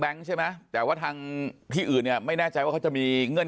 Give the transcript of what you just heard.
ใช่ไหมแต่ว่าทางที่อื่นเนี่ยไม่แน่ใจว่าเขาจะมีเงื่อน